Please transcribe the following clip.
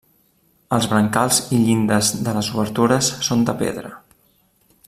Els brancals i llindes de les obertures són de pedra.